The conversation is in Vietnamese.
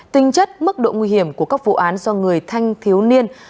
tinh chất mức độ nguy hiểm của các vụ án do người thanh thiếu niên